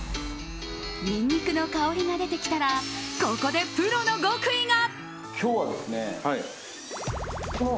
ニンニクの香りが出てきたらここでプロの極意が。